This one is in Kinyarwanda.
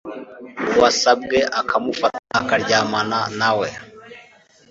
uwasabwe akamufata akaryamana na we